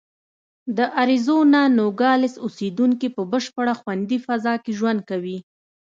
د اریزونا نوګالس اوسېدونکي په بشپړه خوندي فضا کې ژوند کوي.